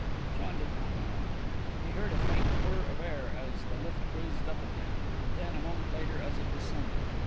John did not know. He heard a faint whir of air as the lift whizzed up again, and then, a moment later, as it descended.